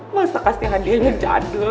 masa kasih hadiahnya jadul